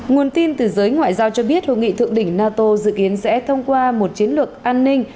nguồn tin từ giới ngoại giao cho biết hội nghị thượng đỉnh nato dự kiến sẽ thông qua một chiến lược an ninh